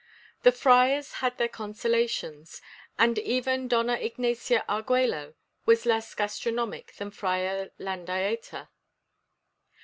The friars had their consolations, and even Dona Ignacia Arguello was less gastronomic than Father Landaeta.